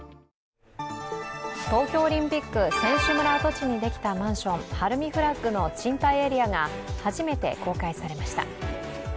東京オリンピック選手村跡地にできたマンション、ＨＡＲＵＭＩＦＬＡＧの賃貸エリアが初めて公開されました。